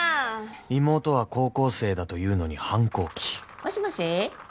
［妹は高校生だというのに反抗期］もしもし？